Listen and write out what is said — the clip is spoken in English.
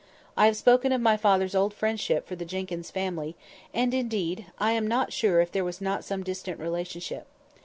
I have spoken of my father's old friendship for the Jenkyns family; indeed, I am not sure if there was not some distant relationship.